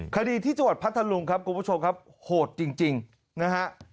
คดีที่จังหวัดพัทธลุงครับคุณผู้ชมครับโหดจริงนะฮะ